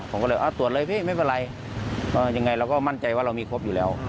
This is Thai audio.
ผมก็เลยตรวจเลยพี่ไม่เป็นไรยังไงเราก็มั่นใจว่าเรามีครบอยู่แล้ว